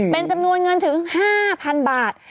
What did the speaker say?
เป็นจำนวนเงินถึง๕๐๐๐บาท